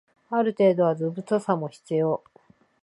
ある程度は図太さも必要